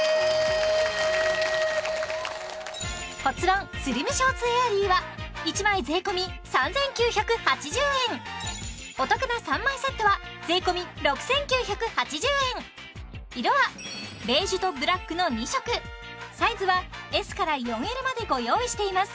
骨盤スリムショーツエアリーは１枚税込３９８０円お得な３枚セットは税込６９８０円色はベージュとブラックの２色サイズはＳから４Ｌまでご用意しています